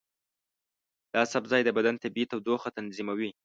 دا سبزی د بدن طبیعي تودوخه تنظیموي.